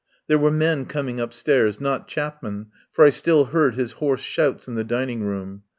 There were men coming upstairs — not Chapman, for I still heard his hoarse shouts in the dining room.